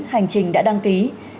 hành trình đã đăng ký